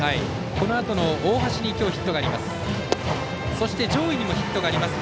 このあとの大橋に今日、ヒットがあります。